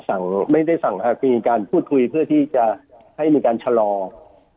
ไม่ได้สั่งอ่ามีการพูดคุยเพื่อที่จะให้มีการชะลอ